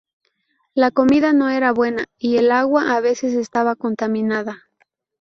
La comida no era buena y el agua a veces estaba contaminada.